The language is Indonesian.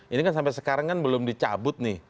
ini kan sampai sekarang kan belum dicabut nih